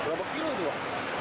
berapa kilo itu pak